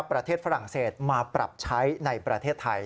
ฝรั่งเศสมาปรับใช้ในประเทศไทย